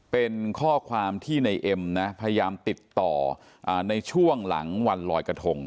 เป็นข้อความที่ในเอ็มนะพยายามติดต่อในช่วงหลังวันลอยกระทง